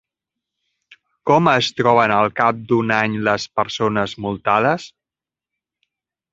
Com es troben al cap d'un any les persones multades?